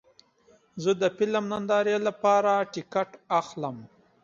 زه د فلم نندارې لپاره ټکټ اخلم.